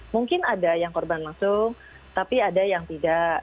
mungkin ada yang korban langsung tapi ada yang tidak